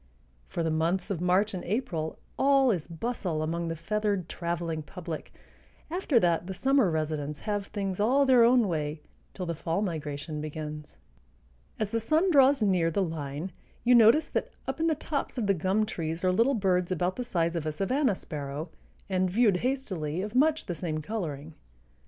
For the months of March and April all is bustle among the feathered traveling public; after that the summer residents have things all their own way till the fall migration begins. As the sun draws near the line you notice that up in the tops of the gum trees are little birds about the size of a savanna sparrow, and, viewed hastily, of much the same coloring.